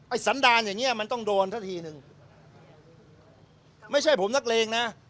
สันดารอย่างเงี้มันต้องโดนซะทีหนึ่งไม่ใช่ผมนักเลงนะ